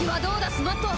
スマット。